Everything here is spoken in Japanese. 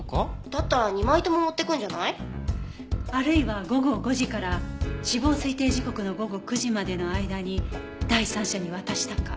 だったら２枚とも持っていくんじゃない？あるいは午後５時から死亡推定時刻の午後９時までの間に第三者に渡したか。